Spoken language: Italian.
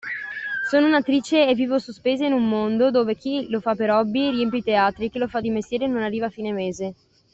Sono un’attrice e vivo sospesa in un mondo dove chi lo fa per hobby riempie i teatri e chi lo fa di mestiere non arriva a fine mese.